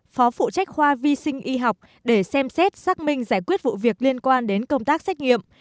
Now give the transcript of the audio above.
phó phụ trách khoa vi sinh y học để xem xét xác minh giải quyết vụ việc liên quan đến công tác xét nghiệm